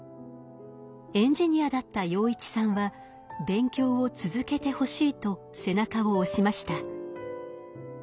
エンジニアだった陽一さんは「勉強を続けてほしい」と背中を押しました。